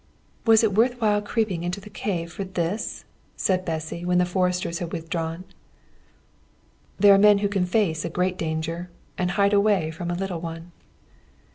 "Was it worth while creeping into the cave for this?" said Bessy, when the foresters had withdrawn. "There are men who can face a great danger and hide away from a little one."